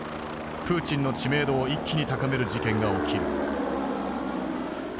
プーチンの知名度を一気に高める事件が起きる。